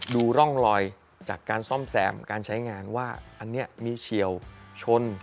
ดูร่องรอยจากการซ่อมแซมการใช้งานว่าอันนี้มีเฉียวชน